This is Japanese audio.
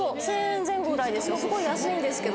すごい安いんですけど。